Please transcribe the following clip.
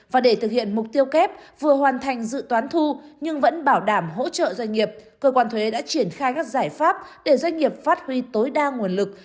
và để thực hiện mục tiêu kép vừa hoàn thành dự toán thu nhưng vẫn bảo đảm hỗ trợ doanh nghiệp cơ quan thuế đã triển khai các giải pháp để doanh nghiệp phát huy tối đa nguồn lực